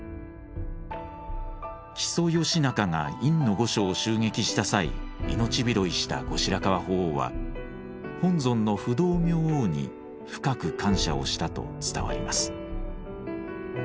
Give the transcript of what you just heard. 木曽義仲が院御所を襲撃した際命拾いした後白河法皇は本尊の不動明王に深く感謝をしたと伝わります。